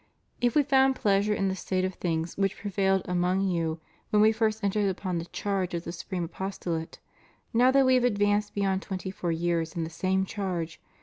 If We found pleasure in the state of things which prevailed among you when We first entered upon the charge of the Supreme Apostolate, now that We have advanced beyond twenty four years in the same charge.